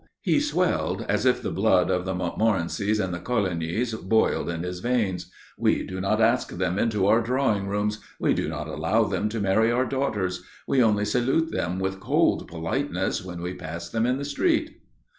He swelled as if the blood of the Montmorencys and the Colignys boiled in his veins. "We do not ask them into our drawing rooms. We do not allow them to marry our daughters. We only salute them with cold politeness when we pass them in the street."